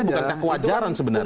bukankah kewajaran sebenarnya